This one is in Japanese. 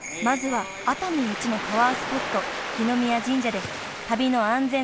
［まずは熱海一のパワースポット來宮神社で］